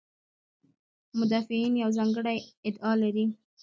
مدافعین یوه ځانګړې ادعا لري.